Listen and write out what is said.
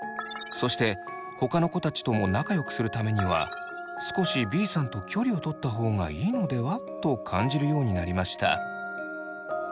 そして他の子たちとも仲良くするためには「少しＢさんと距離をとったほうがいいのでは？」と感じるようになりました。